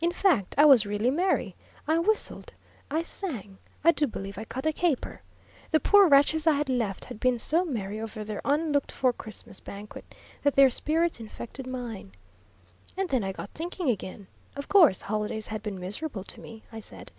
In fact, I was really merry. I whistled. I sang. I do believe I cut a caper. The poor wretches I had left had been so merry over their unlooked for Christmas banquet that their spirits infected mine. "And then I got thinking again. Of course, holidays had been miserable to me, I said.